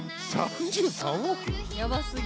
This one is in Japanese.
やばすぎ。